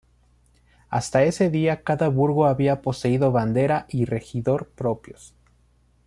Hasta ese día cada burgo había poseído bandera y regidor propios.